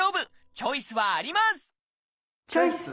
チョイス！